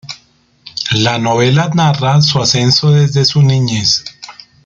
La novela narra su ascenso desde su niñez.